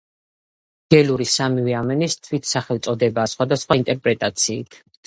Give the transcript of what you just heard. გელური სამივე ამ ენის თვითსახელწოდებაა, სხვადასხვა ინტერპრეტაციით.